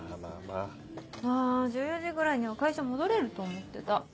ああ１４時ぐらいには会社戻れると思ってた。